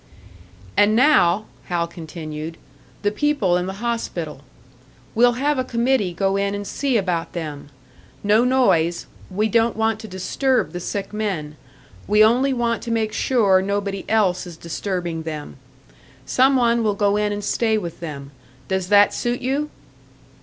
"And now," Hal continued, "the people in the hospital. We'll have a committee go in and see about them. No noise we don't want to disturb the sick men. We only want to make sure nobody else is disturbing them. Some one will go in and stay with them. Does that suit you?"